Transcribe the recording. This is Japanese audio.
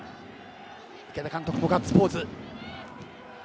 池田監督もガッツポーズ。